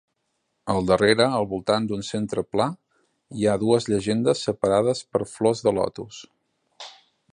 Al darrere, al voltant d'un centre pla, hi ha dues llegendes separades per flors de lotus.